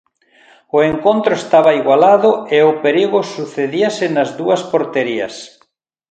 O encontro estaba igualado e o perigo sucedíase nas dúas porterías.